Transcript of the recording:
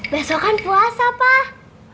besok kan puasa pak